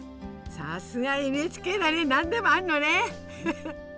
さすがＮＨＫだね何でもあんのねフフ。